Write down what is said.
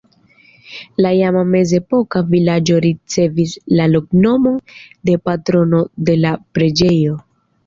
La iama mezepoka vilaĝo ricevis la loknomon de patrono de la preĝejo.